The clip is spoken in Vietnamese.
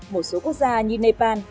một số quốc gia như nepal